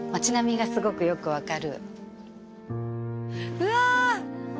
うわ！